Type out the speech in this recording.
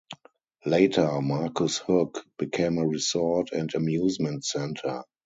Later, Marcus Hook became a resort and amusement center.